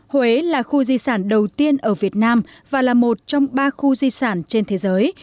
huế là khu di sản đầu tiên ở việt nam và là một trong ba khu di sản trên thế giới